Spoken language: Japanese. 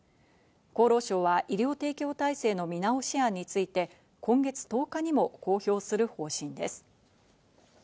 厚労省は医療提供体制の見直し案について、今月１０日にも公表する方針です。